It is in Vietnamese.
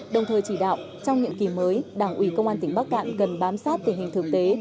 đồng thời chỉ đạo trong nhiệm kỳ mới đảng ủy công an tỉnh bắc cạn cần bám sát tình hình thực tế